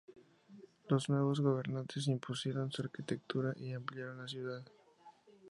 Los nuevos gobernantes impusieron su arquitectura y ampliaron la ciudad.